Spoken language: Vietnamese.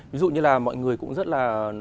ví dụ như là mọi người cũng rất là